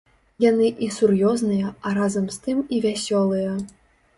Яны і сур'ёзныя, а разам з тым і вясёлыя.